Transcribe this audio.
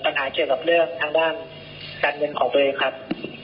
ปัญหาเกี่ยวกับเรื่องทางด้านการเงินของตัวเองครับ